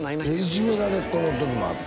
いじめられっ子の時もあった？